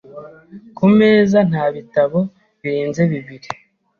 Ku meza nta bitabo birenze bibiri.